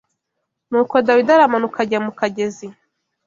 Nuko Dawidi aramanuka ajya mu kagezi